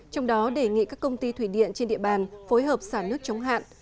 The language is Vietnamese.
trong đó đề nghị các công ty thủy điện trên địa bàn phối hợp xả nước chống hạn